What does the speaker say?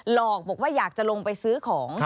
หลอกบอกว่าอยากจะลงไปซื้อของ